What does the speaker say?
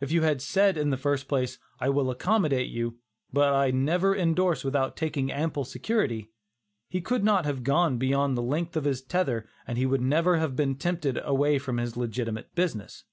If you had said in the first place, "I will accommodate you, but I never indorse without taking ample security," he could not have gone beyond the length of his tether and he would never have been tempted away from his legitimate business.